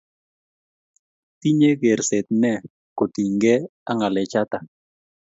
Itinye kerset ne kotinyge ak ng'alechatak?